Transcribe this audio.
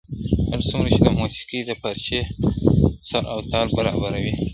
هر څومره چي د موسیقۍ د پارچي سُر او تال برابر وي !.